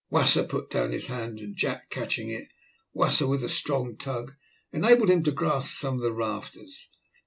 Wasser put down his hand, and Jack catching it, Wasser, with a strong tug, enabled him to grasp some of the rafters.